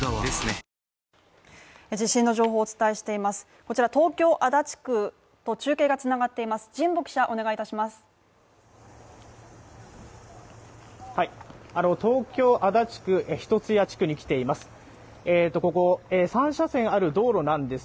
こちら東京・足立区と中継が繋がっています